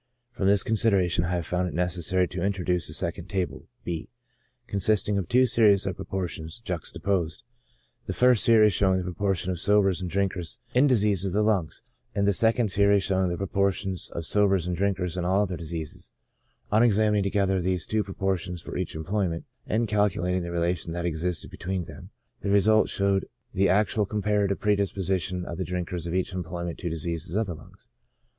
From this consideration I have found it necessary to introduce a second table, (B,) consisting of two series of proportions, juxtaposed, the first series showing the proportions of sobers and drinkers in diseases of the AS PREDISPOSING TO DISEASE. 169 lungs ; and the second series showing the proportions of sobers and drinkers in all other diseases ; on examining together these two proportions for each employment, and calculating the relation that existed between them, the result showed the actual comparative predisposition of the drinkers of each employment to diseases of the lungs.